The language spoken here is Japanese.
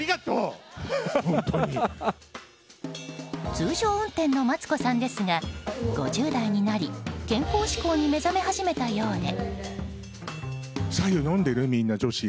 通常運転のマツコさんですが５０代になり、健康志向に目覚め始めたようで。